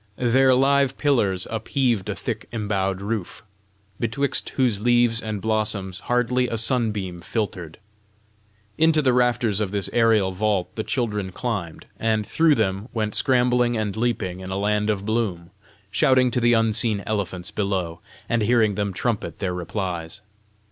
Their live pillars upheaved a thick embowed roof, betwixt whose leaves and blossoms hardly a sunbeam filtered. Into the rafters of this aerial vault the children climbed, and through them went scrambling and leaping in a land of bloom, shouting to the unseen elephants below, and hearing them trumpet their replies.